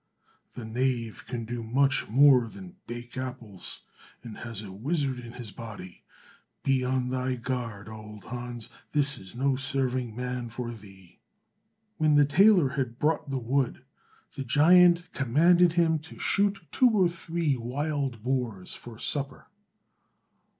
"The knave can do much more than bake apples, and has a wizard in his body. Be on thy guard, old Hans, this is no serving man for thee!" When the tailor had brought the wood, the giant commanded him to shoot two or three wild boars for supper.